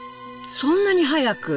そんなに早く！？